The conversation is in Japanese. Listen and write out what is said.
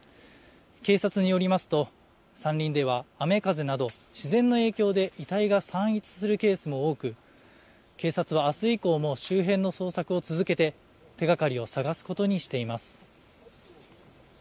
警察によりますと山林では雨風など自然の影響で遺体が散逸するケースも多く、警察はあす以降も周辺の捜索を続けて手がかりを捜すことにしています。